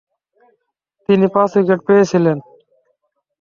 তিনি পাঁচ উইকেট পেয়েছিলেন।